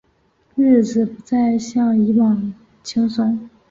日子不再像以往轻松